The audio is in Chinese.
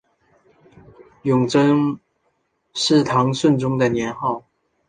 永贞是唐顺宗的年号。